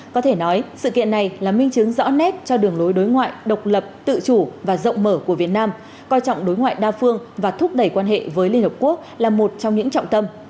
có thể nói sự kiện này là minh chứng rõ nét cho đường lối đối ngoại độc lập tự chủ và rộng mở của việt nam coi trọng đối ngoại đa phương và thúc đẩy quan hệ với liên hợp quốc là một trong những trọng tâm